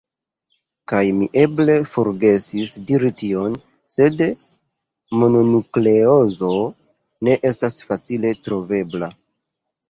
Kaj mi eble forgesis diri tion, sed mononukleozo ne estas facile trovebla.